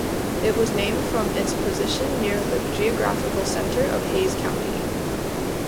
It was named from its position near the geographical center of Hayes County.